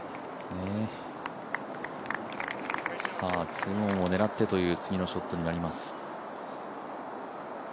２オンを狙ってという次のショットになります。